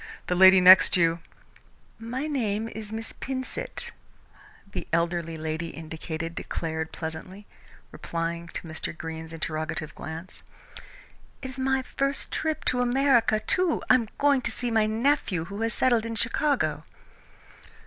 The lady next you " "My name is Miss Pinsent," the elderly lady indicated declared pleasantly, replying to Mr. Greene's interrogative glance. "It is my first trip to America, too. I am going out to see a nephew who has settled in Chicago."